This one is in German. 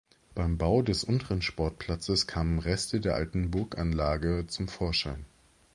Beim Bau des unteren Sportplatzes kamen Reste der alten Burganlage zum Vorschein.